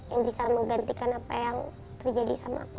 yang bisa menggantikan apa yang terjadi sama aku